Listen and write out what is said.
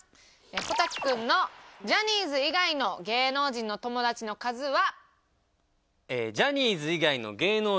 小瀧君のジャニーズ以外の芸能人の友達の人数は。